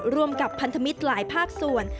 ร่วมกับพันธมิตรหลายภาคส่วน